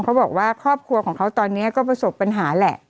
เขาบอกว่าครอบครัวของเขาตอนนี้ก็ประสบปัญหาแหละ